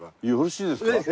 よろしいですか？